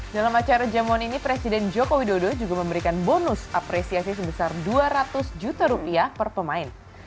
dalam acara jamuan ini presiden joko widodo juga memberikan bonus apresiasi sebesar dua ratus juta rupiah per pemain